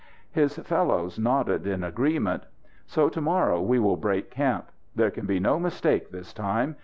His fellows nodded in agreement. "So to morrow we will break camp. There can be no mistake this time.